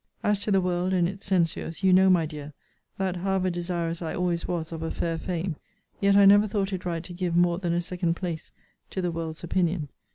As to the world and its censures, you know, my dear, that, however desirous I always was of a fair fame, yet I never thought it right to give more than a second place to the world's opinion.